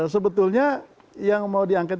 sebetulnya yang mau diangket